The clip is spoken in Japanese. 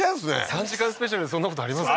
３時間スペシャルでそんなことありますか？